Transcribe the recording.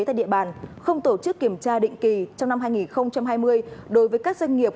tại địa bàn không tổ chức kiểm tra định kỳ trong năm hai nghìn hai mươi đối với các doanh nghiệp